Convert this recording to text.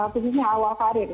khususnya awal karir